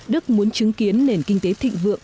đức muốn chứng kiến nền kinh tế thịnh vượng